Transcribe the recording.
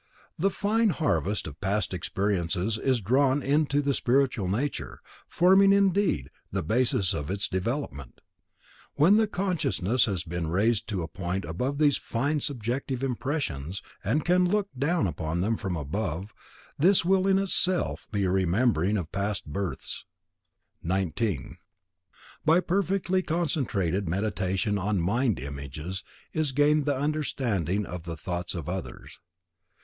The fine harvest of past experiences is drawn into the spiritual nature, forming, indeed, the basis of its development. When the consciousness has been raised to a point above these fine subjective impressions, and can look down upon them from above, this will in itself be a remembering of past births. 19. By perfectly concentrated Meditation on mind images is gained the understanding of the thoughts of others.